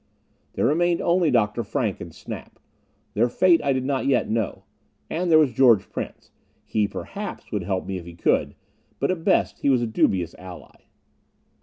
There remained only Dr. Frank and Snap. Their fate I did not yet know. And there was George Prince. He, perhaps, would help me if he could. But, at best, he was a dubious ally.